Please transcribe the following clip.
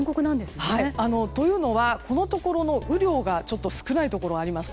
というのはこのところの雨量がちょっと少ないところがあります。